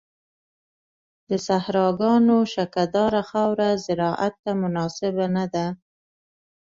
د صحراګانو شګهداره خاوره زراعت ته مناسبه نه ده.